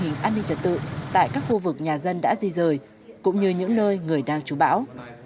nhà dân đã di rời cũng như những nơi người đang chú bão